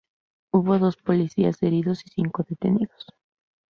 Hubo dos policías heridos y cinco detenidos.